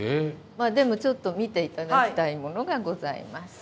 まあでもちょっと見ていただきたいものがございます。